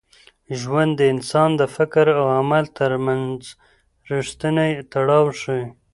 ژوند د انسان د فکر او عمل تر منځ رښتینی تړاو ښيي.